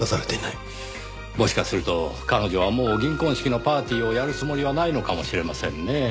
もしかすると彼女はもう銀婚式のパーティーをやるつもりはないのかもしれませんねぇ。